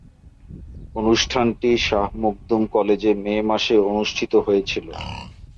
অনুষ্ঠানটি শাহ মখদুম কলেজে মে মাসে অনুষ্ঠিত হয়েছিলো।